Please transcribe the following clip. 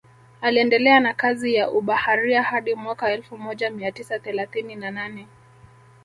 Aliendelea na kazi ya ubaharia hadi mwaka elfu moja mia tisa thelathini na nane